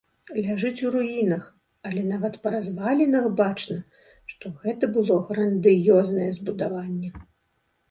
Ляжыць у руінах, але нават па развалінах бачна, што гэта было грандыёзнае збудаванне.